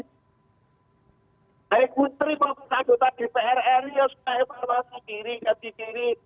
dari kutri pak ketakutak dpr rios kfw kiri kati kiri